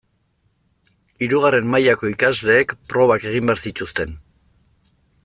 Hirugarren mailako ikasleek probak egin behar zituzten.